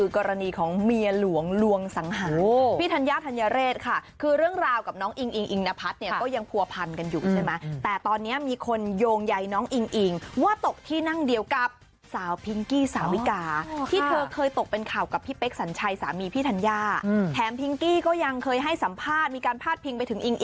กรณีของเมียหลวงลวงสังหารพี่ธัญญาธัญเรศค่ะคือเรื่องราวกับน้องอิงอิงอิงนพัฒน์เนี่ยก็ยังผัวพันกันอยู่ใช่ไหมแต่ตอนนี้มีคนโยงใยน้องอิงอิงว่าตกที่นั่งเดียวกับสาวพิงกี้สาวิกาที่เธอเคยตกเป็นข่าวกับพี่เป๊กสัญชัยสามีพี่ธัญญาแถมพิงกี้ก็ยังเคยให้สัมภาษณ์มีการพาดพิงไปถึงอิงอิ